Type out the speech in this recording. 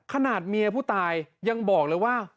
ขนาดเมียผู้ตายยังบอกเลยว่า